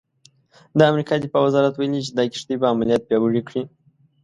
د امریکا دفاع وزارت ویلي چې دا کښتۍ به عملیات پیاوړي کړي.